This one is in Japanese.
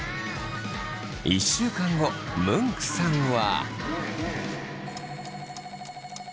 １週間後ムンクさんは。